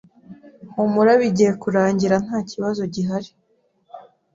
Humura bigiye kurangira ntakibazo gihari